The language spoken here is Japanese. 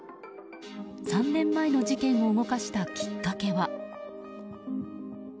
３年前の事件を動かしたきっかけは。